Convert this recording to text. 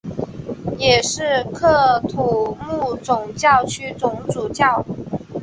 也是喀土穆总教区总主教。